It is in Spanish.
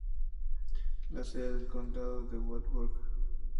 La sede del condado es Wartburg.